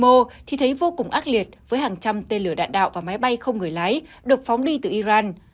mo thì thấy vô cùng ác liệt với hàng trăm tên lửa đạn đạo và máy bay không người lái được phóng đi từ iran